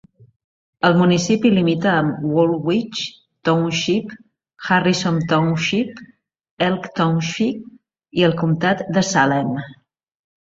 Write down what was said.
El municipi limita amb Woolwich Township, Harrison Township, Elk Township i el comtat de Salem.